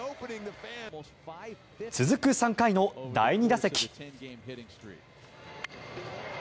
続く３回の第２打席。